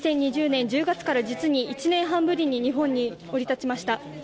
２０２０年１０月から実に１年半ぶりに日本に降り立ちました。